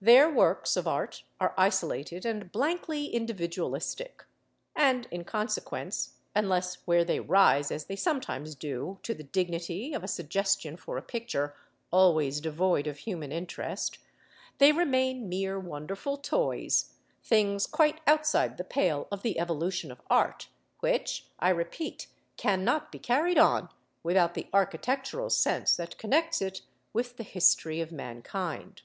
Their works of art are isolated and blankly individualistic, and in consequence, unless where they rise, as they sometimes do, to the dignity of a suggestion for a picture (always devoid of human interest), they remain mere wonderful toys, things quite outside the pale of the evolution of art, which, I repeat, cannot be carried on without the architectural sense that connects it with the history of mankind.